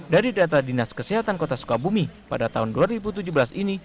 dari data dinas kesehatan kota sukabumi pada tahun dua ribu tujuh belas ini